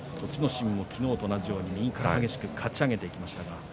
心も昨日と同じように右から激しくかち上げにきました。